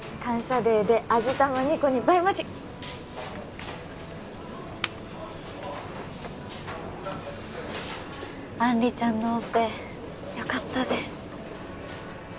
デーで味玉２個に倍増し杏里ちゃんのオペよかったです